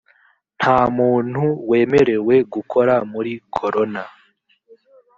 nta muntu wemerewe gukora muri corona.